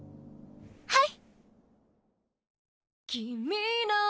はい！